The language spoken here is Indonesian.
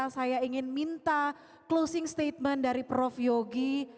saya ingin minta closing statement dari prof yogi